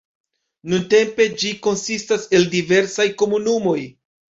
Nuntempe ĝi konsistas el diversaj komunumoj.